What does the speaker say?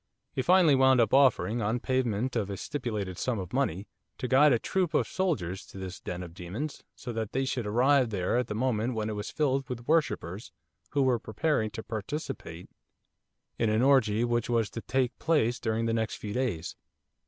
He finally wound up by offering, on payment of a stipulated sum of money, to guide a troop of soldiers to this den of demons, so that they should arrive there at a moment when it was filled with worshippers, who were preparing to participate in an orgie which was to take place during the next few days.